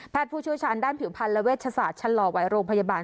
ผู้เชี่ยวชาญด้านผิวพันธ์และเวชศาสตร์ชะลอวัยโรงพยาบาล